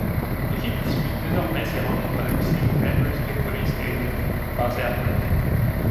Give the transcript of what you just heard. L'équipe dispute désormais ses rencontres à domicile au Members Equity Stadium basé à Perth.